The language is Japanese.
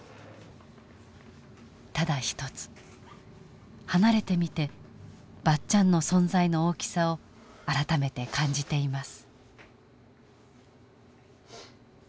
ただ一つ離れてみてばっちゃんの存在の大きさを改めて感じています。